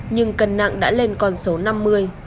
nhưng cân nặng đã lên con số năm mươi